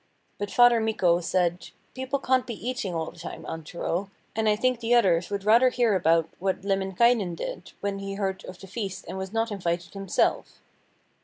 But Father Mikko said: 'People can't be eating all the time, Antero, and I think the others would rather hear about what Lemminkainen did, when he heard of the feast and was not invited himself.'